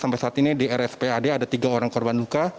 sampai saat ini di rspad ada tiga orang korban luka